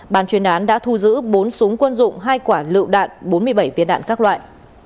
ban chuyên án đã thu giữ bốn súng quân dụng hai quả lựu đạn bốn mươi bảy viên đạn các loại